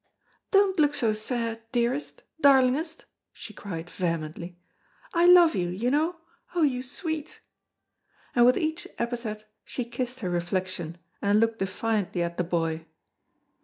Don't look so sad, dearest, darlingest," she cried vehemently; "I love you, you know, oh, you sweet!" and with each epithet she kissed her reflection and looked defiantly at the boy.